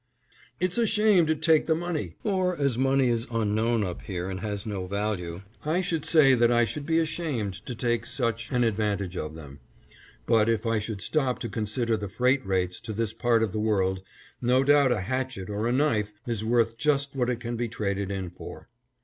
"It's a shame to take the money," or, as money is unknown up here and has no value, I should say that I should be ashamed to take such an advantage of them, but if I should stop to consider the freight rates to this part of the world, no doubt a hatchet or a knife is worth just what it can be traded in for.